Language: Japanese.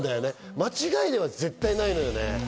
間違いでは絶対ないのよね。